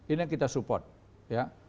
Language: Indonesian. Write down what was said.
ini yang kita support ya